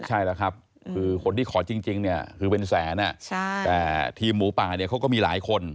ใช่แล้วครับคือคนที่ขอจริงเนี่ยคือเป็นแสนแต่ทีมหมูป่าเนี่ยเขาก็มีหลายคน